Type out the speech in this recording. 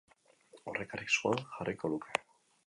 Horrek arriskuan jarriko luke.